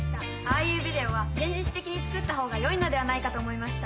ああいうビデオは現実的に作ったほうが良いのではないかと思いました。